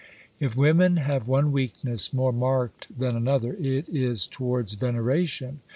If women have one weakness more marked than another, it is towards veneration.